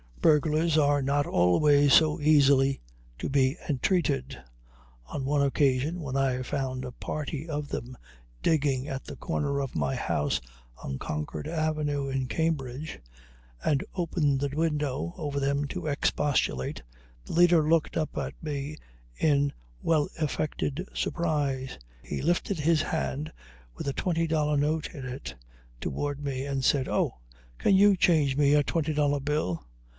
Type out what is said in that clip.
Burglars are not always so easily to be entreated. On one occasion, when I found a party of them digging at the corner of my house on Concord Avenue in Cambridge, and opened the window over them to expostulate, the leader looked up at me in well affected surprise. He lifted his hand, with a twenty dollar note in it, toward me, and said: "Oh! Can you change me a twenty dollar bill?"